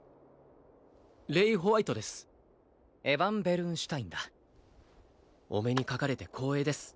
レイ＝ホワイトですエヴァン＝ベルンシュタインだお目にかかれて光栄です